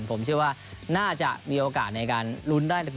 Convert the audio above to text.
ผมเชื่อว่าน่าจะมีโอกาสในการลุ้นได้